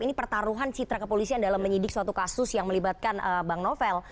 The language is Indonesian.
ini pertaruhan citra kepolisian dalam menyidik suatu kasus yang melibatkan bang novel